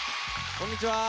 こんにちは。